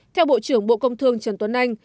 theo bộ trưởng bộ công thương trần tuấn anh